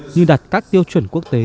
như đặt các tiêu chuẩn quốc tế